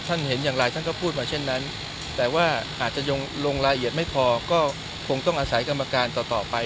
เห็นอย่างไรท่านก็พูดมาเช่นนั้นแต่ว่าอาจจะยังลงรายละเอียดไม่พอก็คงต้องอาศัยกรรมการต่อต่อไป